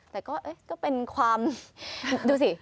แต่ก็เป็นความดูสิ